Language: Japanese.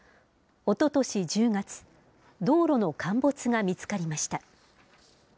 おととし１０月、道路の陥没が見つかりました。